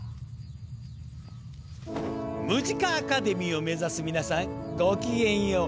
ムジカ・アカデミーを目指す皆さんご機嫌よう。